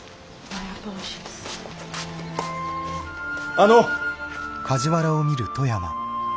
あの！